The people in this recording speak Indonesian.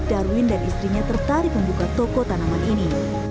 darwin dan istrinya tertarik membuka toko tanaman ini